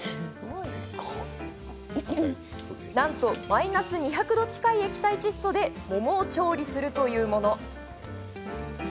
なんとマイナス２００度近い液体窒素で桃を調理するというもの。